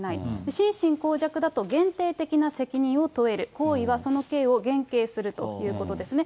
心神耗弱だと限定的な責任を問える、行為はその刑を減刑するということですね。